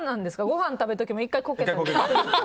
ごはん食べる時も１回こける？